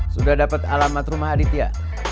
sudah dapat alamat rumah aditya